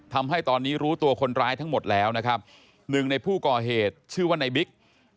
ทำให้ตอนนี้รู้ตัวคนร้ายทั้งหมดแล้วนะครับหนึ่งในผู้ก่อเหตุชื่อว่าในบิ๊ก